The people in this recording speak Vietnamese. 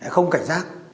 không cảnh giác